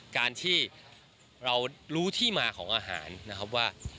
การที่เรารู้ที่มาของอาหารนะครับว่า